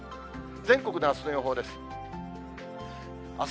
全国のあすの予報です。